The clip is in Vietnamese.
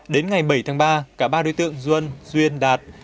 đến ngày bảy tháng ba cả ba đối tượng duân duyên đạt